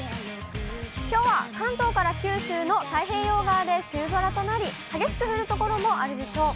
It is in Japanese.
きょうは関東から九州の太平洋側で梅雨空となり、激しく降る所もあるでしょう。